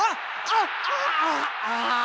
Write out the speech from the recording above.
ああ。